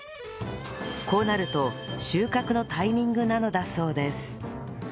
こうなると収穫のタイミングなのだそうです